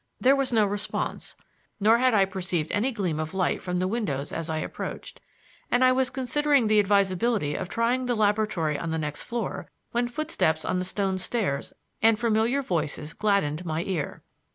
There was no response, nor had I perceived any gleam of light from the windows as I approached, and I was considering the advisability of trying the laboratory on the next floor, when footsteps on the stone stairs and familiar voices gladdened my ear.